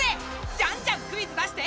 じゃんじゃんクイズ出して！